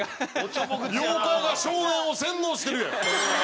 妖怪が少年を洗脳してるやん。